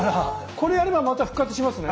これやればまた復活しますね？